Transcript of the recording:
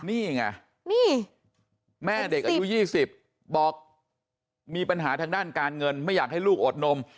นี่ไงนี่แม่เด็กอายุ๒๐บอกมีปัญหาทางด้านการเงินไม่อยากให้ลูกอดนม